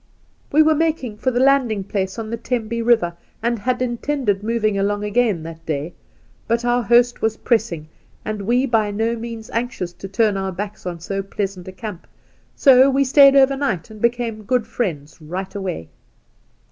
' We were making for the landing place on the Tembe River, and had intended moving along again that day ; but our host was pressing, and we by no means anxious to turn our backs on so pleasant a camp, so we stayed overnight, and became good friends right away.